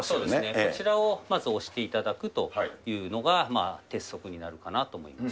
こちらをまず押していただくというのが、鉄則になるかなと思います。